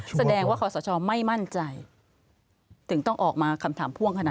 แสดงว่าขอสชไม่มั่นใจถึงต้องออกมาคำถามพ่วงขณะ